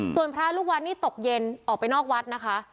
ส่วนพระลูกวัดนี่ตกเย็นออกไปนอกวัดนะคะ